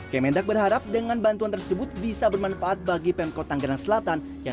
kemendak berharap dengan bantuan tersebut bisa bermanfaat bagi pemkot tanggerang selatan yang